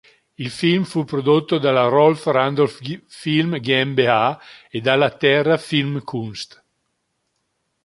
Il film fu prodotto dalla Rolf Randolf-Film GmbH e dalla Terra-Filmkunst.